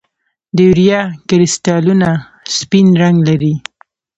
د یوریا کرسټلونه سپین رنګ لري.